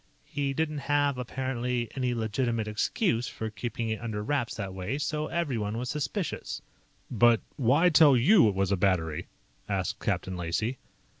He didn't have, apparently, any legitimate excuse for keeping it under wraps that way, so everyone was suspicious." "But why tell you it was a battery?" asked Captain Lacey.